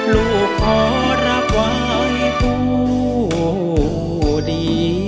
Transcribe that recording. ลูกขอรับไว้ผู้เดียว